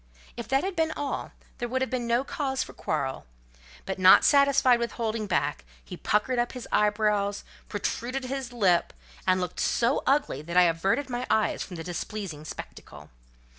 If that had been all, there would have been no cause for quarrel; but not satisfied with holding back, he puckered up his eyebrows, protruded his lip, and looked so ugly that I averted my eyes from the displeasing spectacle.